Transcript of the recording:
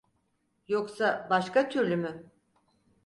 Yoksa başka türlü mü?